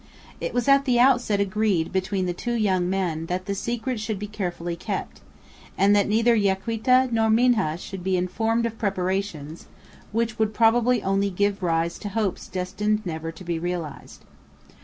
It was at the outset agreed between the two young men that the secret should be carefully kept, and that neither Yaquita nor Minha should be informed of preparations, which would probably only give rise to hopes destined never to be realized.